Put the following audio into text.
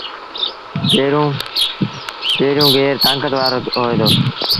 پيريوݩ گير تآݩڪت وآرو هوئي دو۔